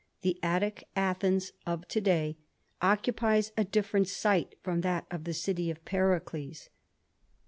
The Attic Athens of to day occupies a different site from that of the city of Pericles.